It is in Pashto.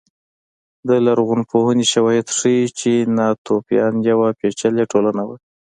د لرغونپوهنې شواهد ښيي چې ناتوفیان یوه پېچلې ټولنه وه